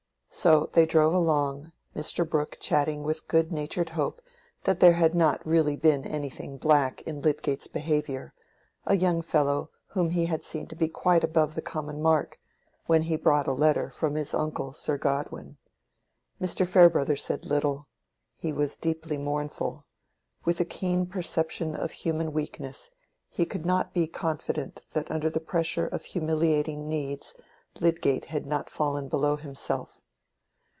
So they drove along, Mr. Brooke chatting with good natured hope that there had not really been anything black in Lydgate's behavior—a young fellow whom he had seen to be quite above the common mark, when he brought a letter from his uncle Sir Godwin. Mr. Farebrother said little: he was deeply mournful: with a keen perception of human weakness, he could not be confident that under the pressure of humiliating needs Lydgate had not fallen below himself.